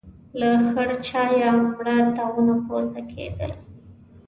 له خړ چايه مړه تاوونه پورته کېدل.